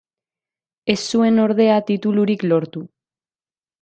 Ez zuen ordea titulurik lortu.